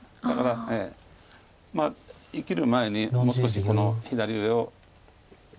だから生きる前にもう少しこの左上を。